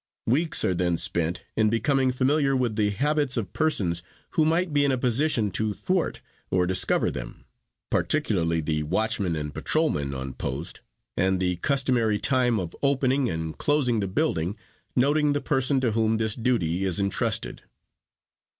Weeks are then spent in becoming familiar with the habits of persons who might be in a position to thwart or discover them, particularly the watchmen and patrolmen on post, and the customary time of opening and closing the building, noting the person to whom this duty is entrusted.